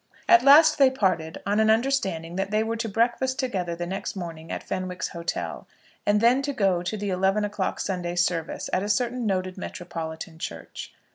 At last they parted on an understanding that they were to breakfast together the next morning at Fenwick's hotel, and then go to the eleven o'clock Sunday service at a certain noted metropolitan church.